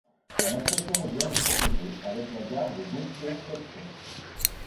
Un accès ferroviaire est proposé, avec la gare de Dompierre-Sept-Fons.